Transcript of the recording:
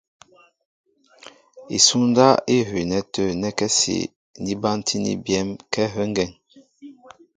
Isúndáp í hʉʉnɛ tə̂ nɛ́kɛ́si ní bántíní byɛ̌m kɛ́ áhə́ ŋgeŋ.